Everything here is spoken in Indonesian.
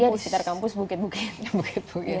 iya di sekitar kampus bukit bukit